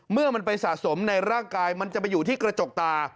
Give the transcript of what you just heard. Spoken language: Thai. เมื่อมันไปสะสมในร่างกายมันจะไปอยู่ที่กระจกตา